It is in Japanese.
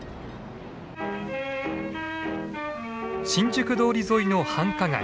新宿通り沿いの繁華街。